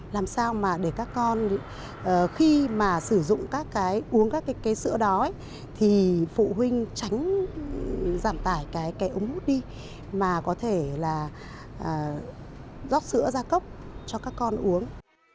làm sao mà để các con khi mà sử dụng các cái uống các cái sữa đó thì phụ huynh tránh giảm tải cái ống hút đi mà có thể là rót sữa ra cốc cho các con uống